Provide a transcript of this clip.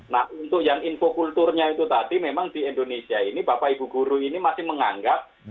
nah untuk yang infokulturnya itu tadi memang di indonesia ini bapak ibu guru ini masih menganggap